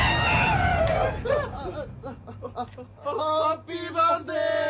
ハッピーバースデー！